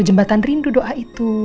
jembatan rindu doa itu